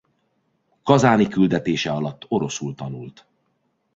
Kazáni küldetése alatt oroszul tanult.